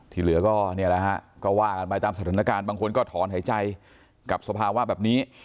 เหลือก็เนี่ยแหละฮะก็ว่ากันไปตามสถานการณ์บางคนก็ถอนหายใจกับสภาวะแบบนี้